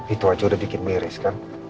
itu aja udah bikin miris kan